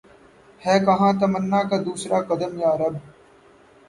ہے کہاں تمنا کا دوسرا قدم یا رب